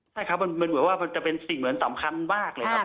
ใช่ครับมันเหมือนว่ามันจะเป็นสิ่งเหมือนสำคัญมากเลยครับ